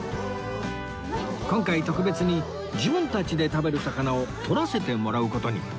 今回特別に自分たちで食べる魚をとらせてもらう事に